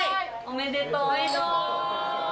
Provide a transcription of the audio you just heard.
おめでとう！